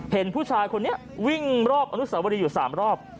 เห็นผู้ชายคนนี้วิ่งรอบอนุสาวรีอยู่๓รอบ